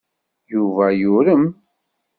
Yuba yurem.